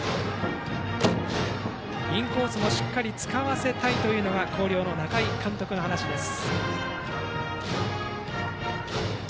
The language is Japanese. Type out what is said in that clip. インコースもしっかり使わせたいというのが広陵の中井監督の話です。